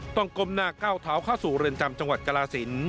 ต้องกลมหน้าเก้าเท้าข้าวสู่เรือนจำจังหวัดกราศิลป์